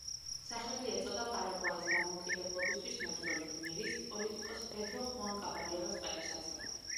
სახელი ეწოდა პარაგვაის დამოუკიდებლობისათვის მებრძოლი გმირის, პოლიტიკოს პედრო ხუან კაბალიეროს პატივსაცემად.